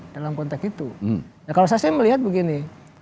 dalam konteks itu kalau saya melihat begini